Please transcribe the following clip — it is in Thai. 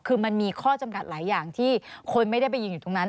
คือมันมีข้อจำกัดหลายอย่างที่คนไม่ได้ไปยืนอยู่ตรงนั้น